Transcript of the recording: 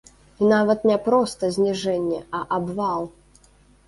І нават не проста зніжэнне, а абвал!